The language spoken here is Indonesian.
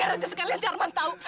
biar aja sekalian jerman tahu